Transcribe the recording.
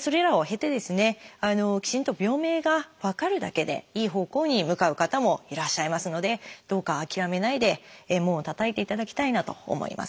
それらを経てですねきちんと病名が分かるだけでいい方向に向かう方もいらっしゃいますのでどうか諦めないで門をたたいていただきたいなと思います。